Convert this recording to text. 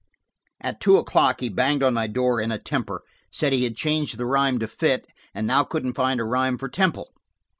At two o'clock he banged on my door in a temper, said he had changed the rhythm to fit, and now couldn't find a rhyme for "temple!"